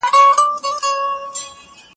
اقتصاد او سياست نه بېلېدونکې اړيکې لري.